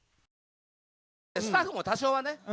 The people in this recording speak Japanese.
スタッフも多少はね